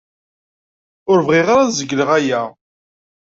Ur bɣiɣ ara ad zegleɣ aya.